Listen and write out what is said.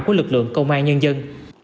của lực lượng công an nhân dân